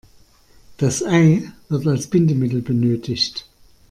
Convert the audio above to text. Das Ei wird als Bindemittel benötigt.